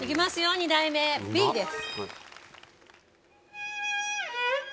２台目 Ｂ です。